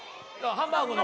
ハンバーグの？